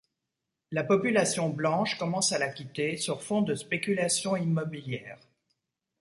La population blanche commence à la quitter, sur fond de spéculation immobilière.